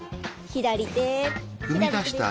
左手？